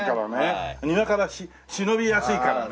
庭から忍びやすいからね。